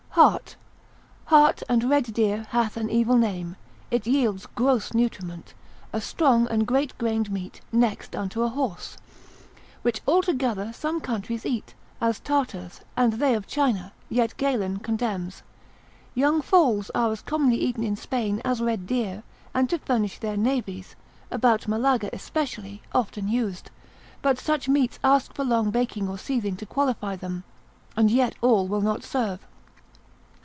Hart.] Hart and red deer hath an evil name: it yields gross nutriment: a strong and great grained meat, next unto a horse. Which although some countries eat, as Tartars, and they of China; yet Galen condemns. Young foals are as commonly eaten in Spain as red deer, and to furnish their navies, about Malaga especially, often used; but such meats ask long baking, or seething, to qualify them, and yet all will not serve.